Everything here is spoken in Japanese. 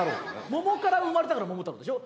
桃から生まれたから桃太郎でしょ？